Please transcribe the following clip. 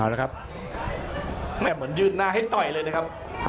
อ่าแล้วครับแม้มันยืนหน้าให้ต่อยเลยนะครับ